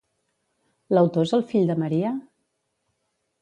L'autor és el fill de Maria?